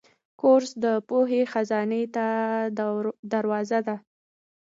کورس د پوهې خزانې ته دروازه ده.